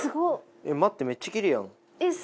待ってめっちゃキレイやん。